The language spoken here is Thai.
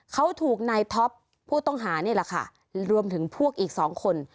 เขาถูกนายท็อปผู้ต้องหานี่แหละค่ะรวมถึงพวกอีกสองคน